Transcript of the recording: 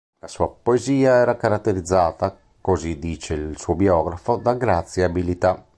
La sua poesia era caratterizzata, così dice il suo biografo, da "grazia e abilità".